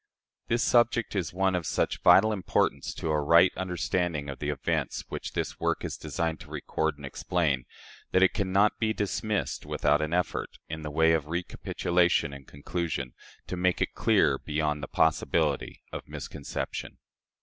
This subject is one of such vital importance to a right understanding of the events which this work is designed to record and explain, that it can not be dismissed without an effort in the way of recapitulation and conclusion, to make it clear beyond the possibility of misconception.